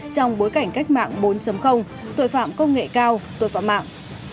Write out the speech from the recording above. trong bối cảnh cách mạng bốn tội phạm công nghệ cao tội phạm mạng